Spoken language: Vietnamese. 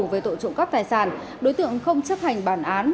với tội trụ cấp tài sản đối tượng không chấp hành bản án